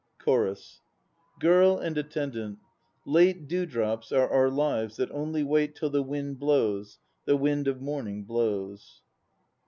CHORUS. GIRL and ATTENDANT. Late dewdrops are our lives that only wait Till the wind blows, the wind of morning blows.